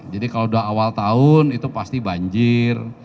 jadi kalau sudah awal tahun itu pasti banjir